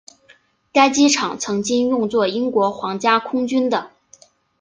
该机场曾经用作英国皇家空军的。